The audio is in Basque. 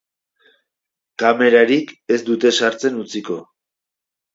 Kamerarik ez dute sartzen utziko.